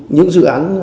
những dự án